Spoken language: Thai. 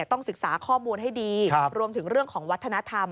ต้องศึกษาข้อมูลให้ดีรวมถึงเรื่องของวัฒนธรรม